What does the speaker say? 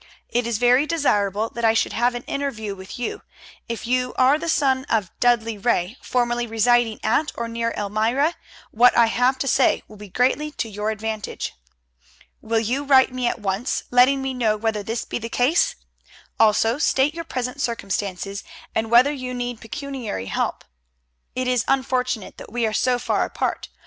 It is very desirable that I should have an interview with you. If you are the son of Dudley Ray, formerly residing at or near Elmira, what I have to say will be greatly to your advantage. Will you write me at once, letting me know whether this be the case? Also state your present circumstances, and whether you need pecuniary help. It is unfortunate that we are so far apart.